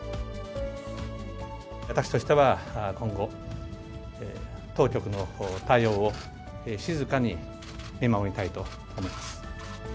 私としては今後、当局の対応を静かに見守りたいと思います。